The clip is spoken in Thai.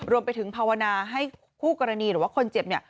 รวมไปถึงภาวนาให้คู่กรณีหรือว่าคนเจ็บเนี่ย